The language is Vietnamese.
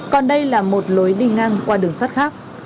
còn đây là một lối đi ngang qua đường sắt khác